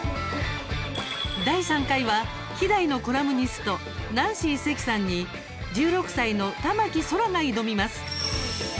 第３回は希代のコラムニストナンシー関さんに１６歳の田牧そらが挑みます。